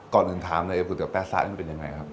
ก่อนหนึ่งถามเลยก๋วยเตี๋ยวแปะซะนี่มันเป็นยังไงครับ